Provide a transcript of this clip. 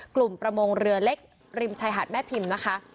ประมงเรือเล็กริมชายหาดแม่พิมพ์นะคะ